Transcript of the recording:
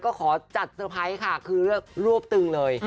ขอจัดเฉินดับค่ะคือเรือรวบตึงเลย